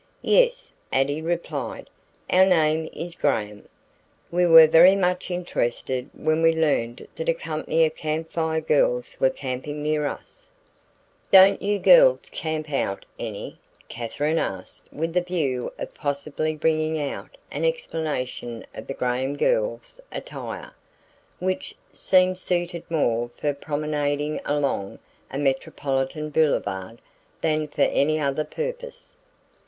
"Yes," Addie replied. "Our name is Graham. We were very much interested when we learned that a company of Camp Fire Girls were camping near us." "Don't you girls camp out any?" Katherine asked with the view of possibly bringing out an explanation of the Graham girls' attire, which seemed suited more for promenading along a metropolitan boulevard than for any other purpose.